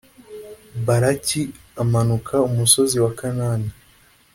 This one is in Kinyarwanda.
baraki amanuka umusozi wa kanani